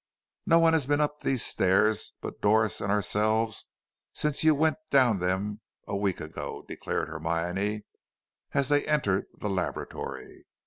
"No one has been up these stairs but Doris and ourselves since you went down them a week ago," declared Hermione, as they entered the laboratory.